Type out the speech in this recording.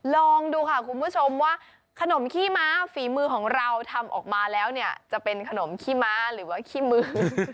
ลองดูค่ะคุณผู้ชมว่าขนมขี้ม้าฝีมือของเราทำออกมาแล้วเนี่ยจะเป็นขนมขี้ม้าหรือว่าขี้มือ